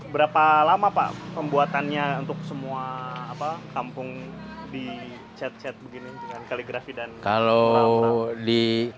berapa lama pak pembuatannya untuk semua kampung di cet cet begini dengan kaligrafi dan